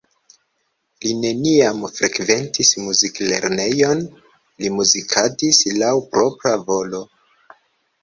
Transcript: Li neniam frekventis muziklernejon, li muzikadis laŭ propra volo.